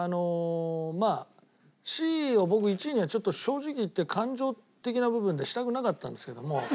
まあＣは僕１位にはちょっと正直言って感情的な部分でしたくなかったんですけども。